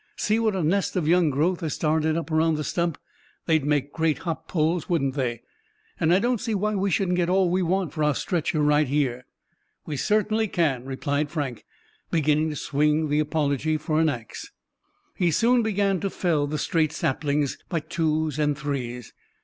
"See what a nest of young growth has started up around the stump! They'd make great hop poles, wouldn't they? And I don't see why we shouldn't get all we want for our stretcher right here." "We certainly can," replied Frank, beginning to swing the apology for an ax. He soon began to fell the straight saplings by twos and threes.